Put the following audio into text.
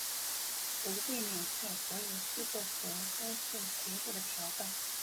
腹背两侧各有四个黑褐色斜着的条斑。